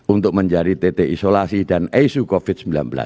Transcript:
untuk menjadi titik isolasi dan isu covid sembilan belas